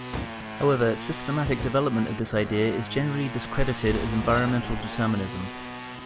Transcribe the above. However, systematic development of this idea is generally discredited as environmental determinism.